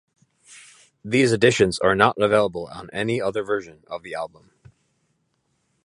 These additions are not available on any other version of the album.